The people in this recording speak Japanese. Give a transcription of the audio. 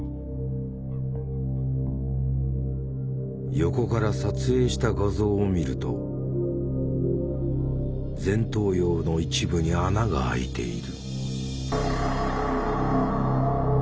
横から撮影した画像を見ると前頭葉の一部に穴があいている。